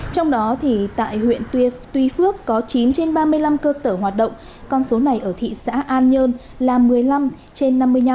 trong đó tại huyện tuy phước có chín trên ba mươi năm cơ sở hoạt động con số này ở thị xã an nhơn là một mươi năm trên năm mươi năm